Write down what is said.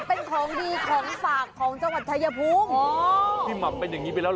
เป็นของดีของฝากของจังหวัดชายภูมิอ๋อที่หมับเป็นอย่างงี้ไปแล้วเห